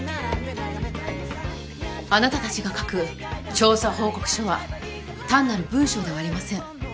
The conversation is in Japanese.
あなたたちが書く調査報告書は単なる文章ではありません。